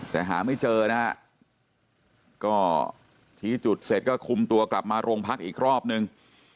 แต่หาไม่เจอนะฮะก็ชี้จุดเสร็จก็คุมตัวกลับมาโรงพักอีกรอบนึง